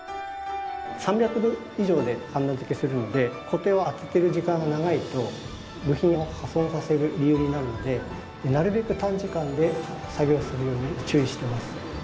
３００度以上ではんだ付けするのでコテを当ててる時間が長いと部品を破損させる理由になるのでなるべく短時間で作業するように注意しています。